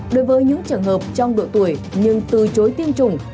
đối với những trường hợp trong độ tuổi nhưng từ chối tiêm chủng